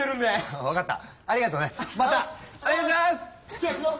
じゃあいくぞ。